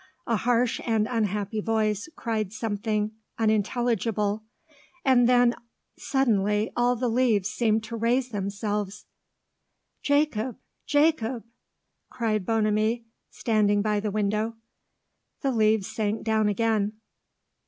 A harsh and unhappy voice cried something unintelligible. And then suddenly all the leaves seemed to raise themselves. "Jacob! Jacob!" cried Bonamy, standing by the window. The leaves sank down again.